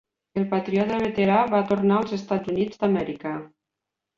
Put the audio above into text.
El patriota veterà va tornar als Estats Units d'Amèrica.